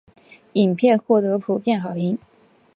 影片获得普遍好评。